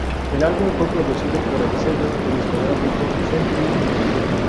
El álbum fue producido por el sello discográfico Century Media.